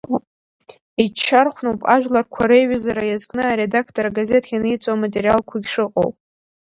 Иччархәноуп ажәларқәа реиҩызара иазкны аредактор агазеҭ ианиҵо аматериалқәагь шыҟоу.